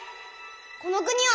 この国を。